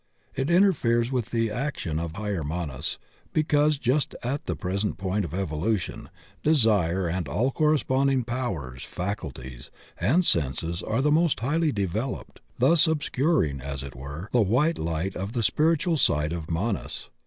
It interferes with the action of Higher Manas because just at the present point of evolution, Desire and all corresponding powers, faculties, and senses are the most highly developed, thus obscuring, as it were, the white light of the spiritual side of Manas.